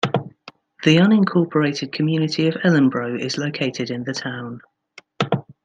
The unincorporated community of Ellenboro is located in the town.